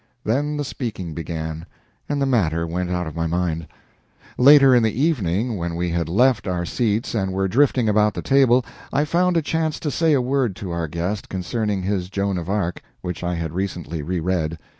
Then the speaking began, and the matter went out of my mind. Later in the evening, when we had left our seats and were drifting about the table, I found a chance to say a word to our guest concerning his "Joan of Arc," which I had recently re read.